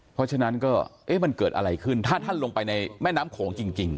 เพราะฉะนั้นก็เอ๊ะมันเกิดอะไรขึ้นถ้าท่านลงไปในแม่น้ำโขงจริง